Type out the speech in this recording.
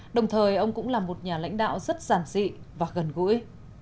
đồng thời ông cũng là một nhà lãnh đạo rất giản dị và gần gũi